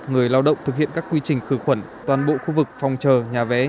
người lao động thực hiện các quy trình khử khuẩn toàn bộ khu vực phòng chờ nhà vé